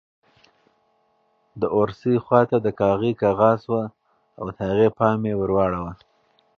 د اورسۍ خواته د کاغۍ کغا شوه او د هغې پام یې ور واړاوه.